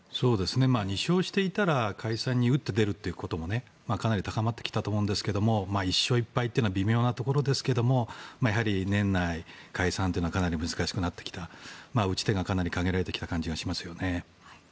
２勝していたら解散に打って出るということもかなり高まってきたと思うんですが１勝１敗というのは微妙なところですけれどやはり年内解散というのはかなり難しくなってきた打ち手がかなり限られてきた感じがしますよね。